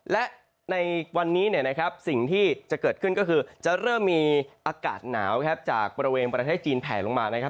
และในวันนี้สิ่งที่จะเกิดขึ้นก็คือจะเริ่มมีอากาศหนาวจากบริเวณประเทศจีนแผลลงมา